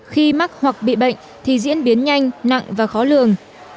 khi mắc hoặc bị bệnh thì diễn biến nhanh nặng và khó lường